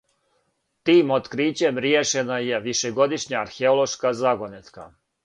Тим открићем ријешена је вишегодишња археолошка загонетка.